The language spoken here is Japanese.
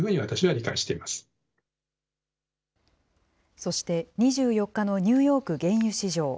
そして、２４日のニューヨーク原油市場。